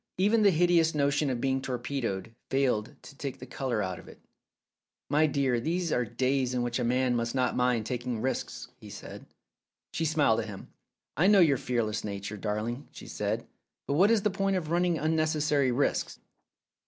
Even ihe hideous notion of being torpedoed failed to take the colour out of it. "My dear, these are days in which a man must not mind taking risks," he said. She smiled at him. "I know your fearless nature, darling," she said; "but what is the point of running unnecessary risks?"